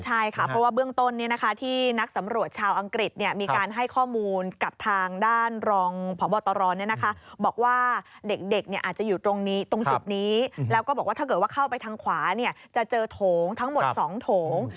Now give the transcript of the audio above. ใช่ค่ะเพราะว่าเบื้องต้นที่นักสำรวจชาวอังกฤษมีการให้ข้อมูลกับทางด้านรองพบตรบอกว่าเด็กอาจจะอยู่ตรงจุดนี้แล้วก็บอกว่าถ้าเกิดว่าเข้าไปทางขวาจะเจอโถงทั้งหมด๒โถง